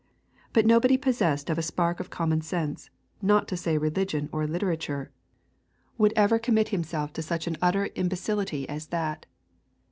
But nobody possessed of a spark of common sense, not to say religion or literature, would ever commit himself to such an utter imbecility as that.